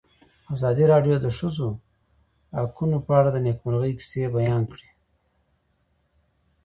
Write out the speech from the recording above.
ازادي راډیو د د ښځو حقونه په اړه د نېکمرغۍ کیسې بیان کړې.